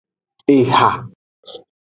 Eha.